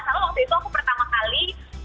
karena waktu itu aku pertama kali